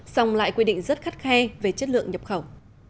song lại quy định rất khắt khe về chất lượng nhập khẩu